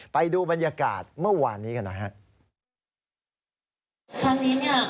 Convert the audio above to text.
ไปดูบรรยากาศเมื่อวานนี้ดู